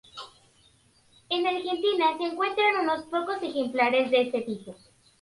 En Argentina se encuentran unos pocos ejemplares de este tipo.